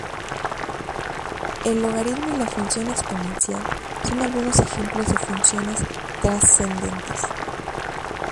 El logaritmo y la función exponencial son algunos ejemplos de funciones trascendentes.